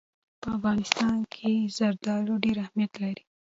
په افغانستان کې زردالو ډېر اهمیت لري.